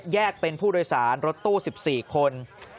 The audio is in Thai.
เป็นผู้โดยสารรถตู้๑๔คน